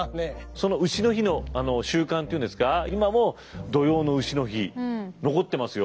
その丑の日の習慣っていうんですか今も土用の丑の日残ってますよ。